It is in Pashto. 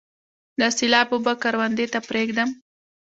د سیلاب اوبه کروندې ته پریږدم؟